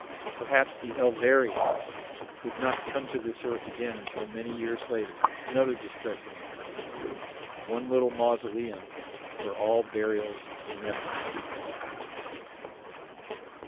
Perhaps the Elvereans would not come to this earth again until many years later another distressing occurrence one little mausoleum for all burials in effigy.